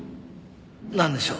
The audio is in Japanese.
なんでしょう？